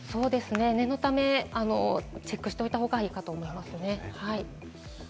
念のためチェックしておいた方がいいと思いますね。